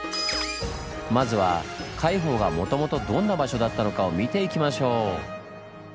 まずは海堡がもともとどんな場所だったのかを見ていきましょう！